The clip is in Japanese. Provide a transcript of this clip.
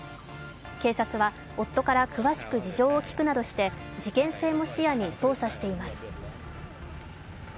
警察は夫から詳しく事情を聴くなどして、事件性も視野に捜査しています。